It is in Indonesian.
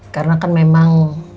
karena kan memang